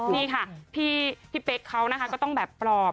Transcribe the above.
นี่ค่ะพี่เป๊กเขานะคะก็ต้องแบบปลอบ